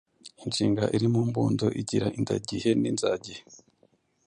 Inshinga iri mu mbundo igira indagihe n’inzagihe.